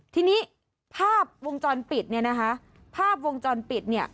ทีนี้ภาพวงจรปิดเนี่ยนะคะภาพวงจรปิดเนี่ย